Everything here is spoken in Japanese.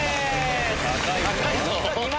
高いぞ！